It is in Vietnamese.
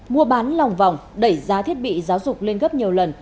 mua bán lòng vòng đẩy giá thiết bị giáo dục lên gấp nhiều lần